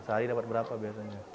sehari dapat berapa biasanya